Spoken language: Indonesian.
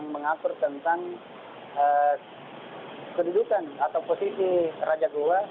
mengatur tentang kedudukan atau posisi raja goa